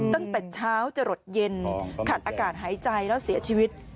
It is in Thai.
ตั้งแต่เช้าจะหลดเย็นขาดอากาศหายใจแล้วเสียชีวิต